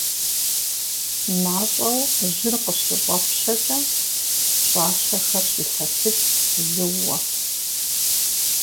МащӀэу жьыр къыщыщӀэпщэкӀэ пщӀащэхэр щӀилъэсыкӀт зууэ.